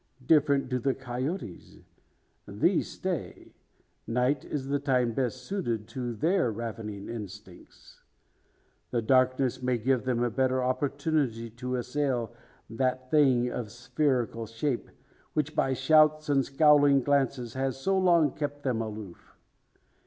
Different do the coyotes. These stay. Night is the time best suited to their ravening instincts. The darkness may give them a better opportunity to assail that thing of spherical shape, which by shouts, and scowling glances, has so long kept them aloof.